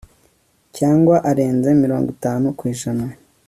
cyangwa arenze mirongo itanu ku ijana